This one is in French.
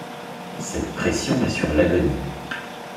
Cette pression est sur l’agonie.